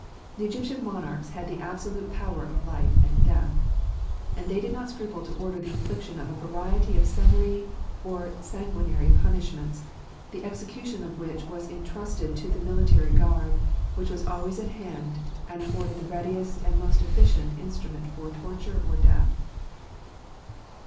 The Egyptian monarchs had the absolute power of life and death y and they did not scruple to order the infliction of a variety of summary or sanguinary punish ments, the execution of which was entrusted to the military guard, which was always at hand, and afforded the readiest and most efficient instrument for torture or death.